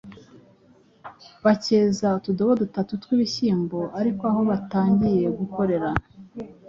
bakeza utudobo dutatu tw’ibishimbo ariko aho batangiriye gukorera